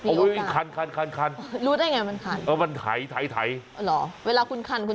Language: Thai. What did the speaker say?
อุ้ยคันรู้ได้ยังไงมันคันมันไถเวลาคุณคัน